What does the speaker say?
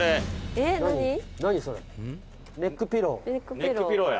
「ネックピローや」